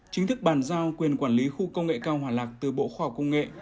chính thức bàn giao quyền quản lý khu công nghệ cao hòa lạc từ bộ khoa học công nghệ